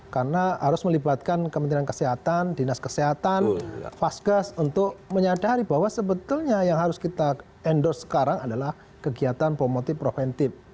karena kita harus melibatkan kepentingan kesehatan dinas kesehatan fasgas untuk menyadari bahwa sebetulnya yang harus kita endorse sekarang adalah kegiatan promotif preventif